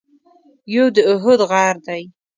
یو د اُحد غر دی.